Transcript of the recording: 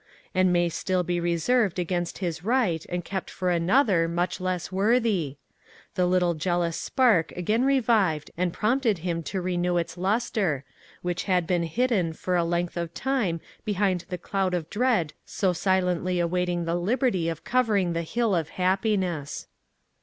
and may still be reserved against his right and kept for another much less worthy! The little jealous spark again revived and prompted him to renew its lustre, which had been hidden for a length of time behind the cloud of dread so silently awaiting the liberty of covering the hill of happiness.